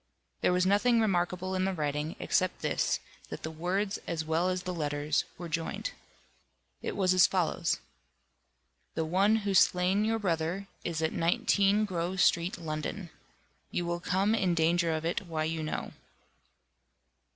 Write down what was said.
There was nothing remarkable in the writing, except this, that the words as well as the letters were joined. It was as follows: "The one who slain your brother is at 19 Grove Street London. You will come in danger of it why you know."